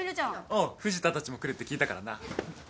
おう藤田たちも来るって聞いたからな。